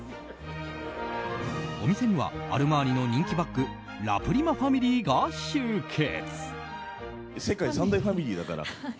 お店にはアルマーニの人気バッグラプリマファミリーが集結。